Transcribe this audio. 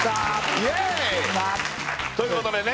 イエイ！ということでね